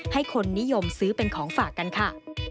ให้คนนิยมซื้อเป็นของฝากกันค่ะ